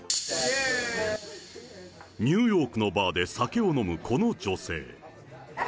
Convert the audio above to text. ニューヨークのバーで酒を飲むこの女性。